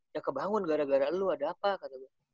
ya kebangun gara gara lu ada apa